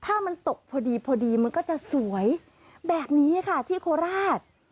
ถ้ามันตกพอดีพอดีมันก็จะสวยแบบนี้ค่ะที่โคราช